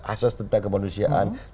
asas tentang kemanusiaan